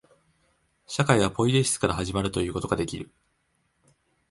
社会はポイエシスから始まるということができる。